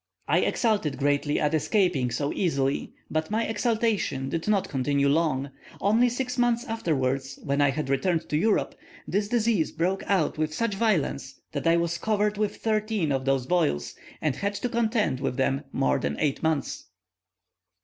I exulted greatly at escaping so easily, but my exultation did not continue long; only six months afterwards, when I had returned to Europe, this disease broke out with such violence that I was covered with thirteen of those boils, and had to contend with them more than eight months.